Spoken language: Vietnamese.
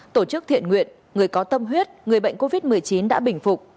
tổ chức thiện nguyện người có tâm huyết người bệnh covid một mươi chín đã bình phục